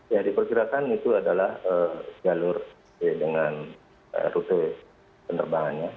ya diperkirakan itu adalah jalur dengan rute penerbangannya